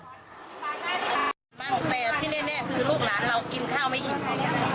บ้างแต่ที่แน่คือลูกหลานเรากินข้าวไม่อิ่ม